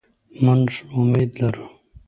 مونږ امید لرو